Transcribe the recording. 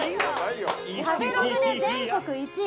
食べログで全国１位。